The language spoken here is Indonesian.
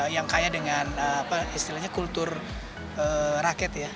yang kaya dengan istilahnya kultur raket ya